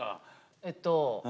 えっと。